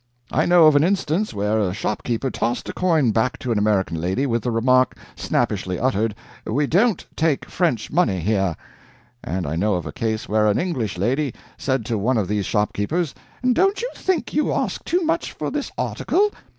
I know of an instance where a shopkeeper tossed a coin back to an American lady with the remark, snappishly uttered, 'We don't take French money here.' And I know of a case where an English lady said to one of these shopkeepers, 'Don't you think you ask too much for this article?'